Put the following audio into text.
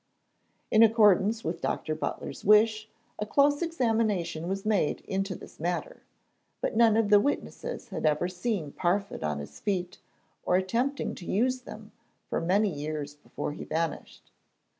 In accordance with Dr. Butler's wish, a close examination was made into this matter, but none of the witnesses had ever seen Parfitt on his feet or attempting to use them for many years before he vanished.